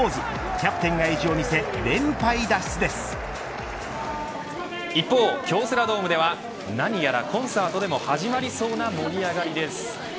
キャプテンが意地を見せ一方、京セラドームでは何やらコンサートでも始まりそうな盛り上がりです。